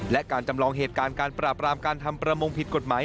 และการจำลองเหตุการณ์การปราบรามการทำประมงผิดกฎหมาย